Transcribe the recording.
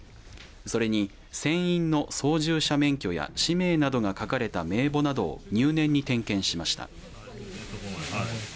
それに船員の操縦者免許や氏名などが書かれた名簿などを入念に点検しました。